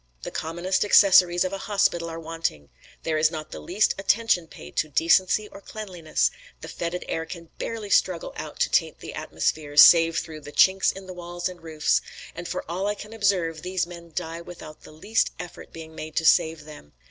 "The commonest accessories of a hospital are wanting; there is not the least attention paid to decency or cleanliness; the fetid air can barely struggle out to taint the atmosphere, save through the chinks in the walls and roofs, and, for all I can observe, these men die without the least effort being made to save them.